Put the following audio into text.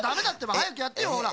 はやくやってよほらっ。